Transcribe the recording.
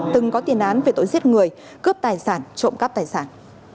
từng có tiền án về tội giết người cướp tài sản trộm cắp tài sản